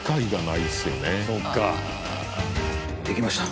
できました。